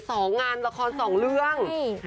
งานละครสองเรื่อง